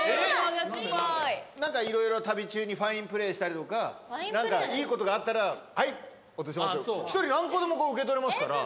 何か色々旅中にファインプレーしたりとか何かいいことがあったら「はい」１人何個でも受け取れますから。